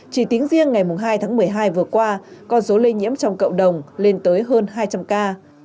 chỉ tính riêng ngày hai tháng một mươi hai vừa qua con số lây nhiễm trong cộng đồng lên tới hơn hai trăm linh ca